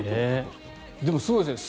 でもすごいですね。